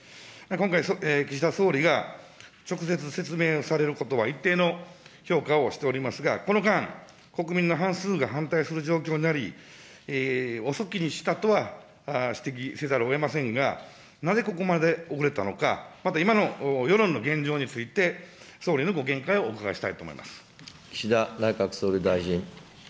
今回、岸田総理が直接説明をされることは一定の評価をしておりますが、この間、国民の半数が反対する状況にあり、遅きに失したとは指摘せざるをえませんが、なぜここまで、遅れたのか、また今の世論の現状について、総理のご見解をお伺いしたいと思います。